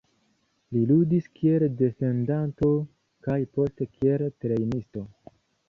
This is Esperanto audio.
Li ludis kiel defendanto kaj poste kiel trejnisto.